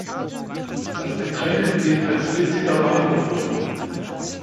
Das Getränk wird als "Witziger Wein" beworben.